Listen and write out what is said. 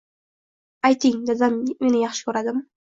Ayting, dadam meni yaxshi ko’radimi?